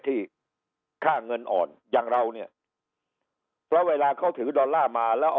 ที่ค่าเงินอ่อนอย่างเราเนี่ยเพราะเวลาเขาถือดอลลาร์มาแล้วเอา